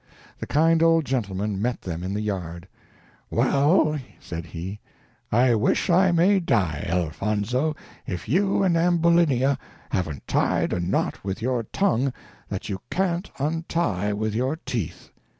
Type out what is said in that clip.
The kind old gentleman met them in the yard: "Well," said he, "I wish I may die, Elfonzo, if you and Ambulinia haven't tied a knot with your tongue that you can't untie with your teeth.